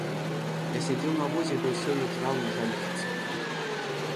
Я сядзеў на возе ды ўсё іграў на жалейцы.